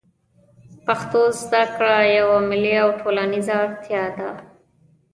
پښتو زده کړه یوه ملي او ټولنیزه اړتیا ده